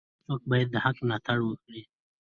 هر څوک باید د حق ملاتړ وکړي.